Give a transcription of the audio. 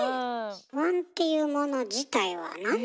不安っていうもの自体はなに？